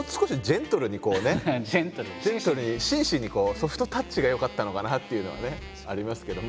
ジェントルに紳士にソフトタッチがよかったのかなっていうのはねありますけど。